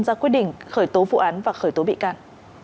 ra quyết định khởi tố vụ án và khởi tố bị can